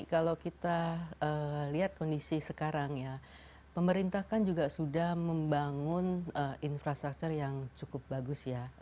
kalau kita lihat kondisi sekarang ya pemerintah kan juga sudah membangun infrastruktur yang cukup bagus ya